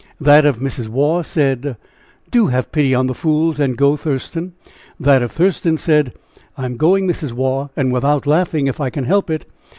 That of Mrs. Waugh said: "Do have pity on the fools, and go, Thurston." That of Thurston said: "I am going, Mrs. Waugh, and without laughing, if I can help it."